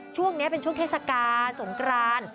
ช่วงนี้เป็นช่วงเทศกาลสงกราน